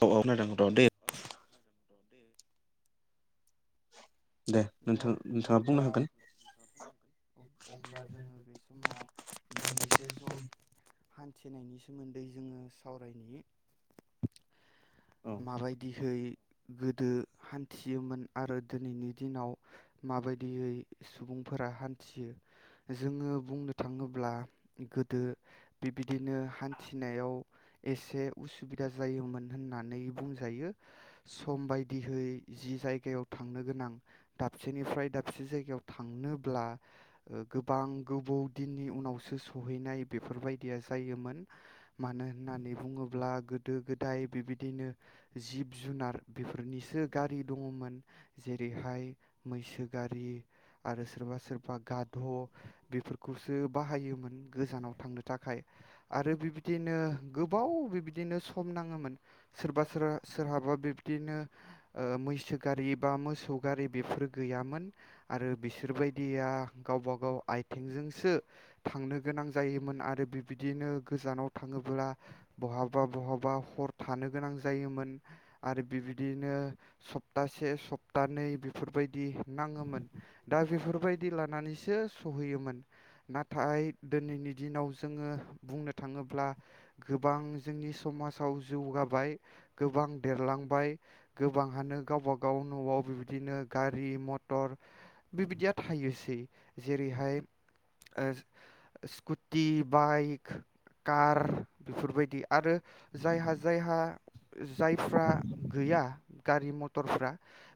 औ औ [unintelligible] र' दे दे अब्ला अब्ला जोङो बे समाव दान्दिसे सम हान्थिनायनि सोमोन्दै जोङो सावरायनायनि माबायदिहै गोदो हान्थियोमोन आरो दिनैनि दिनाव माबायदियै सुबुंफोरा हान्थियो जोङो बुंनो थाङोब्ला गोदो बिबदिनो हान्थिनायाव एसे उसुबिदा जायोमोन होनना नानै बुंजायो सम बायदिहै जि जायगायाव थांनो गोनां दाबसेनिफ्राय दाबसे जायगायाव थांनोब्ला गोबां गोबौ दिननि उनावसो सहैनाय बेफोरबायदिया जायोमोन मानो होननानै बुङोब्ला गोदो गोदाय बेबा बिदिनो जिब जुनार बेफोरनिसो गारि दङमोन जेरैहाय मैसो गारि आरो सोरबा सोरबा गाध' बेफोर खौसो बाहायोमोन गोजानाव। थाखाय आरो बिबदिनो गोबाव बिबदिनो सम नाङोमोन। सोरबा सोर-सोरहाबा बिब्दिनो ओ मैसो गारि बा मोसौ गारि बेफोर गैयामोन आरो बिसोरबायदिया गावबा गाव आथिंजोंसो थांनो गोनां जायोमोन आरो बिबायदिनो गोजानाव थाङोब्ला बहाबा बहाबा हर थानो। गोनां जायोमोन आरो बिबादिनो सप्ता से से सप्तानै बेफोरबायदि नाङोमोन दा बेफोरबायदि लानानैसो सहैयो मोन नाथाय दोनैनि दिनाव जोङो बुंनो थाङोब्ला गोबां जोंनि समाजाव जौगाब बाय गोबां देरलांबाय। गोबांहानो गावबागाव न'आव बिबायदिनो गारि मथ क्टर बिबायदिया थायोसै जेरैहाय ओ स्कुटि बाइक कार बेफोरबायदि आरो जायहा जायहा आ जायफ्रा गैया गारि मटरफ्रा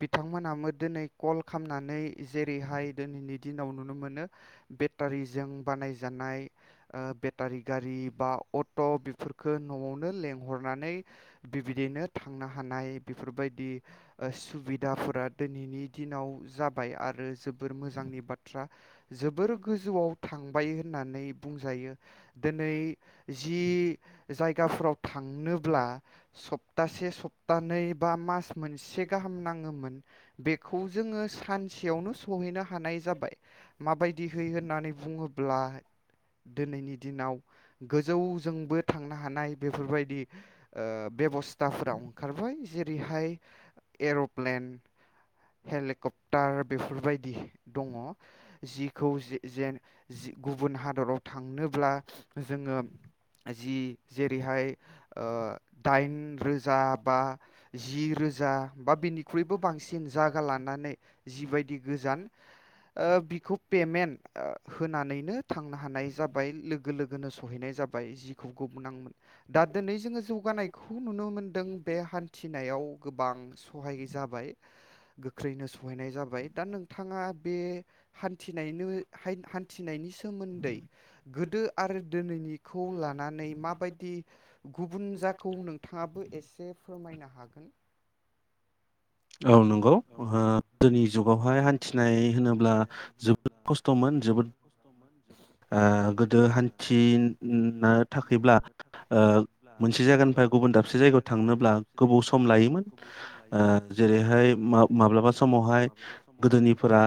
बिथांमोनामो दिनै कल खालामना नै जेरैहाय दोनैनि दिनाव नुनो मोनो बेटारिजों बानायजानाय ओ बेटारि गारि बा अट' बि फोरखो न'आवनो लेंहरनानै बिबायदिनो थांनो हानाय बेफोरबायदि सुबिदाफोरा दिनैनि दिनाव जाबाय आरो जोबोर मोजांनि बाथ्रा जोबोर गोजौआव थांबाय होननानै बुंजायो दोनै जि जायगाफोराव थांनोब्ला सप्तासे सप्तानै बा मास मोनसे गाहाम नाङोमोन बेखौ जोङो सानसेयावनो सहैनो हानाय जाबाय माबायदिहै होननानै बुङोब्ला दिनैनि दिनाव गोजौजोंबो थांनो हानाय। बेफोरबायदि ओ बेबस्थाफोराव ओंखारबाय जेरैहाय एर'प्लेन हेलेकप्टार बेफोरबायदि दङ जिखौ ज-जे-जेन जि गुबुन हादराव थांनोब्ला जोङो जि जेरैहाय ओ दाइन रोजा बा जि रोजा बा बिनिख्रुइबो बांसिन। जागा लानानै जिबायदि गोजान ओ बिखौे पेमेन्ट होनानैनो थांनो हानाय जाबाय लोगो लोगोनो सहैनाय जाबाय जिखौ गुबुनाङोमोन दा दोनै जोङो जौ जौगानायखौ नुनो मोनदों बे हान्थिनायाव गोबां सहाय जाबाय गोख्रैनो सहायनाय जाबाय दा नोंथाङा बे हान्थिनायनो हाय हान्थिनायनि सोमोन्दै गोदो आरो दिनैनि खौ लानानै माबायद गुबुन जा खौ नोंथाङाबो एसे फोरमायनो हागोन। औ नंगौ ओ गोदोनि जुगावहाय हान्थिनाय होनोब्ला जोबोद खस्थ'मोन जोबोद। ओ गोदो हान्थिन्नो थाखायब्ला ओ मोनसे दाबसे जायगानिफाय गुबुन दाबसे जायगायाव थांनोब्ला गोबाव सम लायोमोन ओ जेरैहाय मा माब्लाबा समावहाय गोदोनिफोरा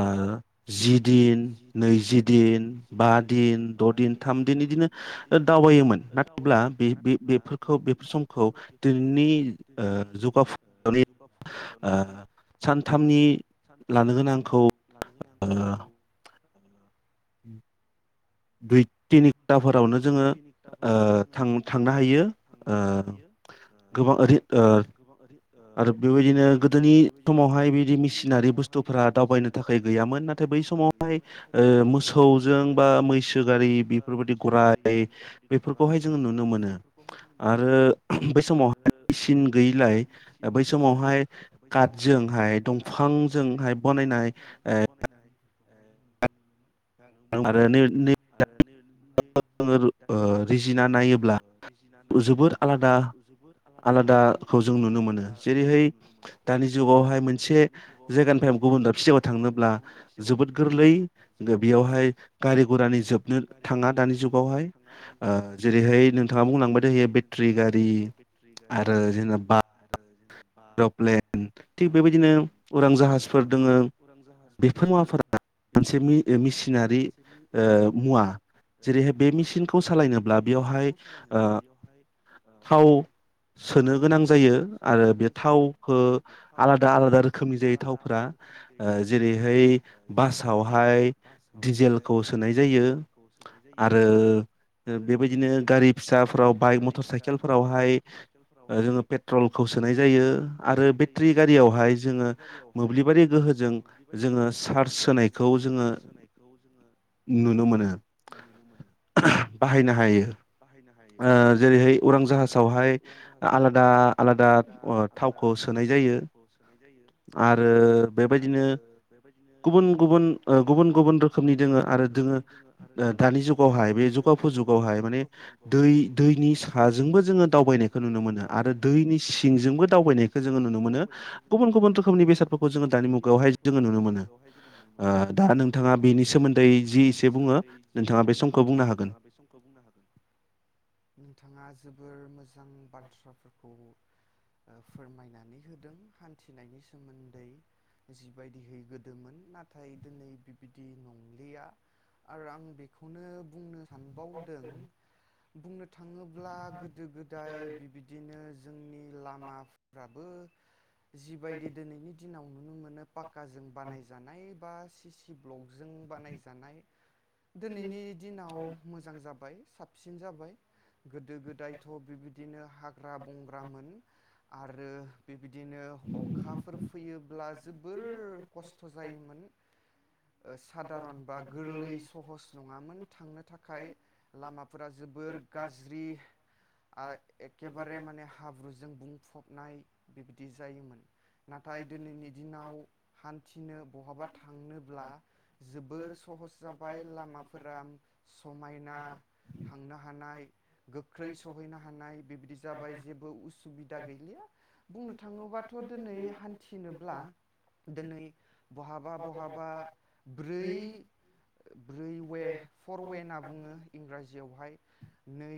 ओ जि दिन नैजि दिन बा दिन द' दिन थाम दिन इदिनो दावबायोमोन नाथायब्ला बे [unintelligible] खौ उम दुइ तिनिथाफोरावनो जोङो ओ थां थांनो हायो ओ गोबां ओरै ओ आरो बेबायदिनो गोदोनि समावहाय बिदि मिसिनारि बुस्थुफोरा दावबायनो थाखाय गैयामोन नाथाय बै समावहाय ओ मोसौजों बा मैसो गारि बेफोरबायदि गराय बेफोरखौहाय जोङो नुनो बेफोरखौहाय जों नुनो मोनो आरो बै समावहाय मेसिन गैयिलाय बै समावहाय काटजोंहाय दंफांजोंहाय बानायनाय। [unintelligible] ओ रिजिना नायोब्ला बिजजिना नायोब्ला जोबोद आलादा आलादाखौ जों नुनो मोनो जेरैहाय दानि जुगावहाय मोनसे जायगानिफ्राय गुबुन दाबसे जायगायाव थांयोबब्ला जोबोद बेयावहाय गारि गघरानि जोबनो थाङा दानि जुगावहाय ओ जेरै बेहाय नोंथाङा बुंलांबाय दायो बेट्रि गारि आरो जेनबना बास एरप्लेन थिग बेबायदिनो उरां जाहाजफोर दोङो बेफोर मुवाफोरा मोनसे मेसिनारि ओ मुवा जेरैहाय बे मेसिनखौ सालायनोब्ला बेयावहाय सालानोब्ला बेयावहाय थाव सोनो गोनां थावखो आलादा आलादा रोखोमनि जायो थावफोरा ओ जेरैहाय बासावहाय दिजेलखौ सोनाय जायो आरो बेबायदिनो गारि फिसाफोराव बाइक मटर साइकेलफोरावहाय जोङो पेट्रलखौ सोनाय जो पेट्रलखौ सोनाय जायो आरो बेट्रि गारियावहाय जोङो मोब्लिबारि गोहोजों जोङो चार्ज होनायखौ जोङो नुनो मोनो। बाहायनो हायो ओ जेरैहाय उरां जाहाजावहाय आलादा [inaudible] ओ थावखौ सोनाय जायो आरो बेबायदिनो गुबुन गुबुन ओ गुबुन गुबुन रोखोमनि दोङो ओ आरो जोङो दानि जुगावहाय बे जुगाफु जुगावहाय माने आरो दै सिंजोंबो दावबायनायखौ जोङो नुनो मोनो गुबुन गुबुन रोखोमनि बेसादफोरखौ जोङो दानि मुगायावहाय जोङो नुनो मोनो ओ दा नोंथाङा बेनि सोमोन्दै जि एसे बुङो नोंथाङा बे समखौ बुंनो हागोन। नोंथाङा जोबोर मोजां बाथ्राफोरखौ ओ फोरमायनानै होदों हान्थिनायनि सोमोन्दै जिबायदिहै गोदोममोन नाथाय दिनै बिबायदि नंलिया आरो आं बेखौनो बुंनो सानबावदों। बुंनो थाङोब्ला गोदो गोदाय बिबायदिनो जोंनि लामाफ्राबो जिबायदि दिनैनि दिनाव नुनो मोनो पाक्काजों बानायजानाय बा सि सि ब्लगजों बानायजानाय दिनैनि दिनाव मोजां जाबाय स साबसिन जाबाय गोदो गोदायथ बिबायदिनो हाग्रा बंग्रामोन। आरो बिदिनो अखाफोर फैयोब्ला जोबोर खस्थ‌ जायोमोन। ओ सादारन बा गोरलै सहस नङामोन थांनो थाखाय लामा ओ जोबोर गाज्रि आ एकेबारे माने हाब्रुजों बुं बुंफबनाय बिब्दि जायोमोन। नाथाय दिनैनि दिनाव हान्थिनो बहाबा थांनोब्ला जोबोर सहस जाबाय लामाफोरा समायना थांनो हानाय गोख्रै सहैनो हानाय बेबायदि जाबाय जेबो उसुबिदा गैलिया बुंनो थाङोबाथ दोनै थिनोब्ला दिनै बहाबा बहाबा ब्रै ब्रै वे फर वे होनना बुङो इंराजियावहाय नै।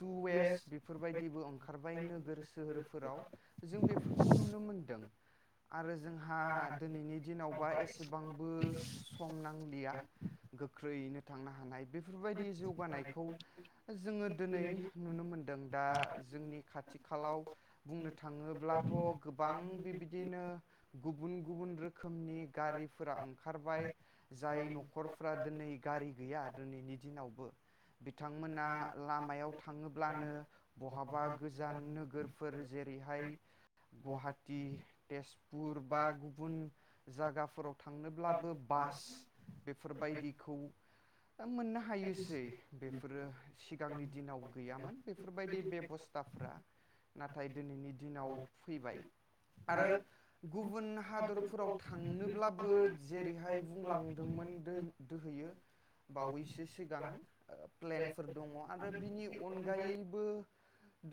टु वेस बेफोरबायदिबो ओंखारबाय नोगोर सोहोरफोराव जों बेफोरखौ नुनो मोनदों। आरो जोंहा दिनैनि दिनावबा एसेबांबो सम नांलिया गोख्रैयैनो, थांनो हानायदो फोरबायदि जौगानायखौ जोङो दिनै नुनो मोनदों दा जोंनि खाथि खालाव बुंनो थाङोब्लाथ' गोबां बिबिदिनो गुबुन गुबुन रोखोमनि गारिफोरा ओंखारबाय जाय नख'रफ्रा दिनै गारि गैया दिनैनि दिनावबो बिथांमोना लामायाव थाङोब्लानो बहाबा गोजान नोगोरफोर जेरैहाय गुवाहाटि तेजपुर बा गुबुन जागाफोराव थांनोब्लाबो बास बेफोरबायदिखौ मोनना हायोसै बे फोरो सिगांनि दिनाव गैयामोन बेफोरबायदि बेबस्थाफ्रा नाथाय दिनैनि दिनाव फैबाय आरो गुबुन हादरफोराव थांनोब्लाबो जेरैहाय बुंलांदोंमोन दोहयो बावैसो सिगां प्लेनफोर दङ' आरो बिनि अनगायैबो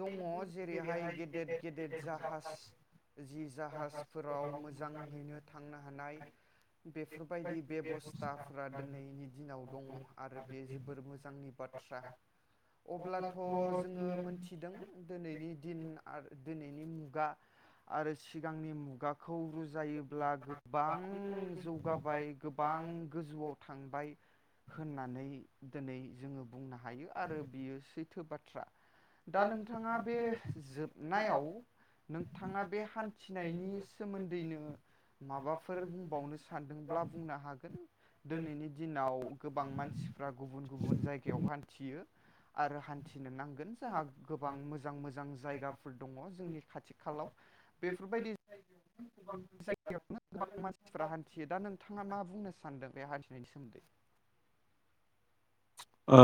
दङ जेरैहाय गेदेद गेदेद जाहाज जि जाहाजफोराव मोजाङैनो थांनो हानाय बेफोरबायदि बेबस्थाफ्रा दिनैनि दिनाव दङ'। आरो बे जोबोर मोजांनि बाथ्रा अब्लाथ‌' जोङो मोनथिदों दिनैनि दिन आरो दिनैनि मुगा आरो सिगांनि मुगा खौ रुजायोब्ला गोबां जौगाबाय गोबां गोजौआव थांबाय, नै दोनै जोङो बुंनो हायो आरो बियो सैथो बा थ्रा दा नोंथाङा बे जोबनायाव नोंथाङा बे हान्थिनायनि सोमोन्दैनो माबाफोर बुंबावनो सानदोंब्ला बुंनो हागोन दोनैनि दिनाव गोबां मानसिफ्रा गुबुन गुबुन जायगायाव हान्थियो, आरो हान्थिनो नांगो जाहा गोबां मोजां मोजां जायगाफोर दङ जोंनि खाथि खालाव बेफोरबायदि जायगायावनो गोबां मानसिफ्रा हान्थियो दा नोंथाङा मा बुंनो सानदों बे हान्थि नायनि सोमोनदै। ओ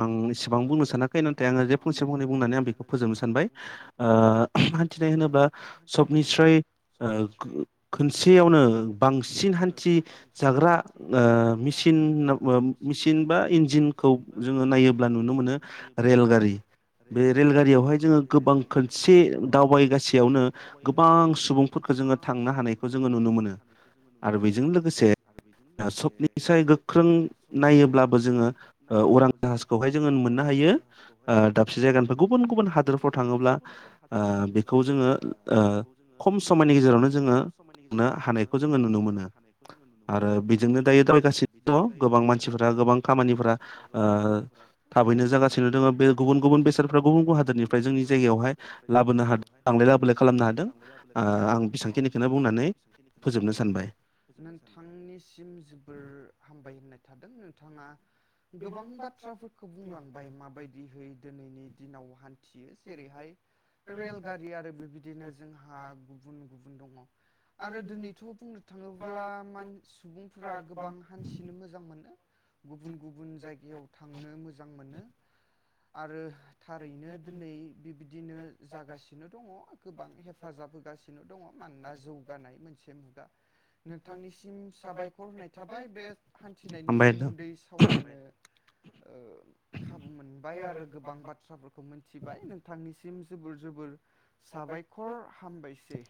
आं इसेबां बुंनो सानाखै नाथाय आङो जे फंसे फंनै बुंनानै आं बेखौ फोजोबनो सानबाय ओ हान्थिनाय होनोबा सबनिस्राय ओ खनसेयावनो बांसिन हान्थिजाग्रा ओ मिसिन मिेसिन बा इन्जिन [unintelligible] जोङो नाय दिनखौ जोङो नायोब्ला नुनो मोनो रेलगारि बे रेलगारियावहाय जोङो गोबां खनसे दावबायगासेयावनो गोबां सुबुंफोरखौ जोङो थांनो हानायखौ जोङो नुनो मोनो आरो बेजों लोगोसे सबनिसाय गोख्रों ओ उरां जाहाजखौ ओ उरां जाहासखौहाय जोङो मोननो हायो ओ दाबसे जायगानिफ्राय गुबुन गुबुन हादोरफ्राव थाङोब्ला ओ बेखौ जोङो ओ खम समायनि गेजेरावनो जोङो मोननो हानायखौ जोङो नुनो मोनो आरो बेजोंनो दायो दावबायगासिनो दङ गोबां मानसि ओ औ थाबैनो जागासिनो दोङो बे गुबुन गुबुन बेसादफ्रा गुबुन गुबुन हादरनिफ्राय जोंनि जायगायावहाय लाबोनो हाद-लांलाय लाबोलाय खालामनो हादों औ आं बेसांखिनिखौनो बुंनानै नोंथांनिसिम जोबोर हामबाय होननाय थादों। [inaudible] गोबां बाथ्राफोर खौ बुंलांबाय माबायदिहै दिनैनि दिनाव हान्थियो जेरैहाय रेलगारि आरो बेबायदिनो जोंहा गुबुन गुबुन दङ। आरो दिनैथ' बुंनो थाङोब्ला मानसि सुबुंफोरा गोबां हान्थिनो मोजां मोनो [inaudible] गुबुन गुबुन जायगायाव थांनो मोजां [inaudible] आरो थारैनो दिनै बिबादिनो जागासिनो दङ गोबां हेफाजाब होगासिनो दङ मानोना जौगानाय मोनसे मुगा नोंथांनिसिम साबायखर होनाय थाबाय बे हान्थिनायनि सोमोन्दै सावरायनो ओ खाबु मोनबाय आरो गोबां बाथ्राफोरखौ मिथिबाय नोंथांनिसिम जोबोर जोबोर साबायखर हामबायसै